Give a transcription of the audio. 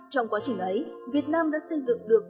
trong quá trình ấy việt nam đã xây dựng được